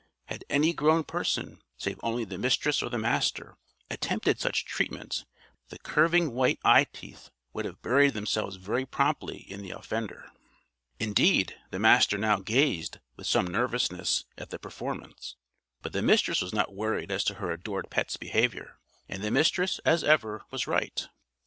Had any grown person, save only the Mistress or the Master, attempted such treatment, the curving white eyeteeth would have buried themselves very promptly in the offender. Indeed, the Master now gazed, with some nervousness, at the performance; but the Mistress was not worried as to her adored pet's behavior; and the Mistress, as ever, was right.